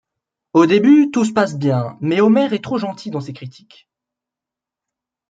Au début tout se passe bien mais Homer est trop gentil dans ses critiques.